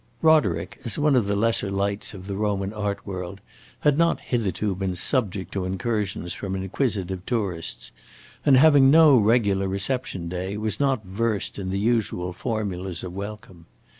Roderick, as one of the lesser lights of the Roman art world, had not hitherto been subject to incursions from inquisitive tourists, and, having no regular reception day, was not versed in the usual formulas of welcome.